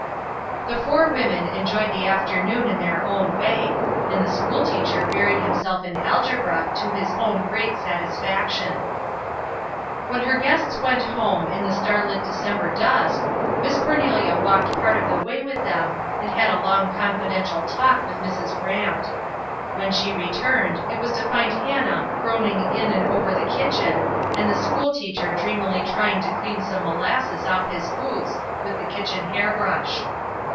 The four women enjoyed the afternoon in their own way, and the schoolteacher buried himself in algebra to his own great satisfaction. When her guests went home in the starlit December dusk, Miss Cornelia walked part of the way with them and had a long confidential talk with Mrs. Grant. When she returned it was to find Hannah groaning in and over the kitchen and the schoolteacher dreamily trying to clean some molasses off his boots with the kitchen hairbrush.